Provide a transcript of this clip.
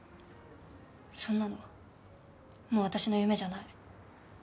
そんなのもう私の夢じゃない。